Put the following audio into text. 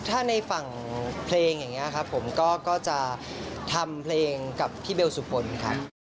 ถ้าในฝั่งเพลงอย่างนี้ครับผมก็จะทำเพลงกับพี่เบลสุพลครับ